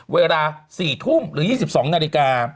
เวลา๔ทุ่มหรือ๒๒นาฬิกา